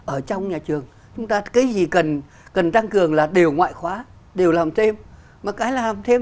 ở trong nhà trường chúng ta cái gì cần tăng cường là đều ngoại khóa đều làm thêm mà cái làm thêm